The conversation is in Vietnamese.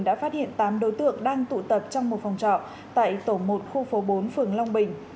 đã phát hiện tám đối tượng đang tụ tập trong một phòng trọ tại tổ một khu phố bốn phường long bình